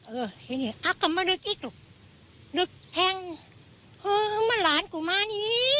เออทีนี้อ้าวกะมะนึกอีกลูกนึกแท่งเฮ้อมันหลานกูมานี้